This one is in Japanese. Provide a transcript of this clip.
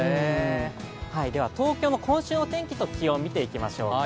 東京の今週の天気と気温見ていきましょうか。